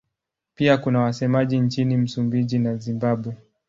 Pia kuna wasemaji nchini Msumbiji na Zimbabwe.